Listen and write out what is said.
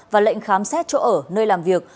và lệnh khám xét chỗ ở nơi làm việc